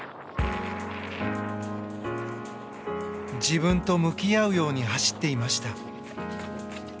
自分と向き合うように走っていました。